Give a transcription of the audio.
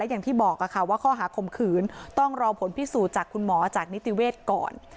อย่างที่บอกค่ะว่าข้อหาข่มขืนต้องรอผลพิสูจน์จากคุณหมอจากนิติเวทย์ก่อน